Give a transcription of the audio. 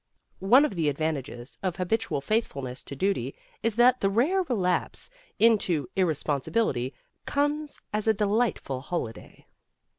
One of the advantages of habitual faithful ness to duty is that the rare relapse into irre sponsibility comes as a delightful holiday.